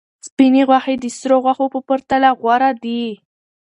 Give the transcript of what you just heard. سپینې غوښې د سرو غوښو په پرتله غوره دي.